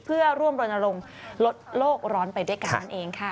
เพื่อร่วมรณรงค์ลดโลกร้อนไปด้วยกันนั่นเองค่ะ